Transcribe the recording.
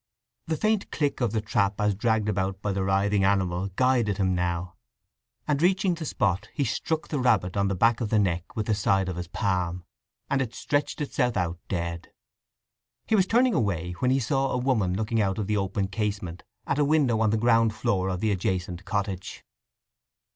The faint click of the trap as dragged about by the writhing animal guided him now, and reaching the spot he struck the rabbit on the back of the neck with the side of his palm, and it stretched itself out dead. He was turning away when he saw a woman looking out of the open casement at a window on the ground floor of the adjacent cottage.